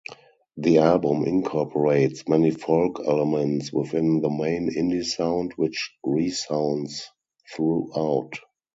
The album incorporates many folk elements within the main indie sound which resounds throughout.